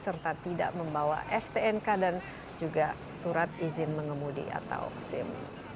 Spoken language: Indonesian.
serta tidak membawa stnk dan juga surat izin mengemudi atau sim